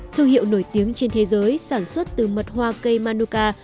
thư hiệu nổi tiếng trên thế giới sản xuất từ mật hoa cây manuka